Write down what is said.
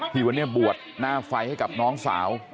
ที่วันนี้บวชหน้าไฟให้กับน้องสาว